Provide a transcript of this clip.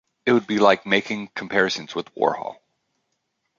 It would be like making comparisons with Warhol.